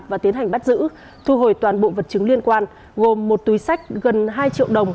và tiến hành bắt giữ thu hồi toàn bộ vật chứng liên quan gồm một túi sách gần hai triệu đồng